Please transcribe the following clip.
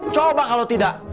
coba kalau tidak